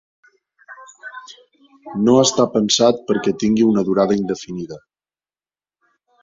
No està pensat perquè tingui una durada indefinida.